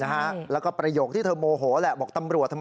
หนูไลฟ์ตรงนี้ค่ะหนูไลฟ์ตรงนี้ค่ะ